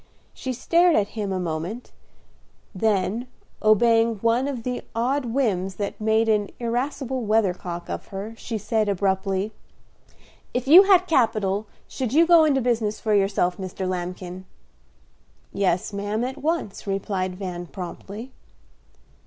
She stared at him a moment, then, obeying one of the odd whims that made an irascible weathercock of her, she said, abruptly, "If you had capital should you go into business for yourself, Mr. Lambkin?" "Yes, ma'am, at once," replied Van, promptly.